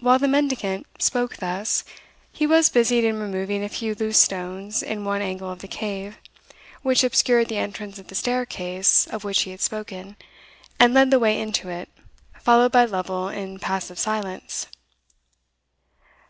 While the mendicant spoke thus, he was busied in removing a few loose stones in one angle of the eave, which obscured the entrance of the staircase of which he had spoken, and led the way into it, followed by Lovel in passive silence.